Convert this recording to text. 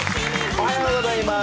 おはようございます！